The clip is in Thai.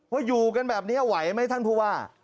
อยู่กันแบบนี้ไหวไหมท่านผู้ว่า